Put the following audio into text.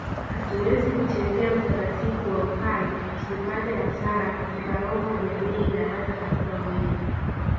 Hatuwezi kuchezea utakatifu wa uhai tusipate hasara katika roho jamii na hata katika mwili